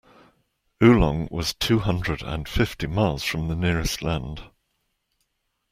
Oolong was two hundred and fifty miles from the nearest land.